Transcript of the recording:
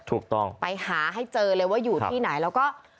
ถูกต้องไปหาให้เจอเลยว่าอยู่ที่ไหนแล้วก็